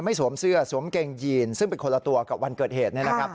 สวมเสื้อสวมเกงยีนซึ่งเป็นคนละตัวกับวันเกิดเหตุ